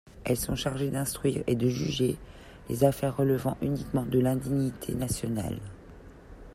Elles sont chargées d’instruire et de juger les affaires relevant uniquement de l’indignité nationale.